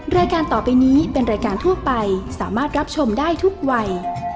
รายการต่อไปนี้เป็นรายการทั่วไปสามารถรับชมได้ทุกวัย